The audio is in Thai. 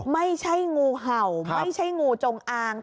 ไม่ใช่งูเห่าไม่ใช่งูจงอาง